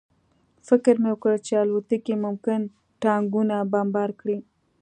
فکر مې وکړ چې الوتکې ممکن ټانکونه بمبار کړي